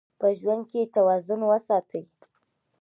په ژوند کې توازن وساتئ.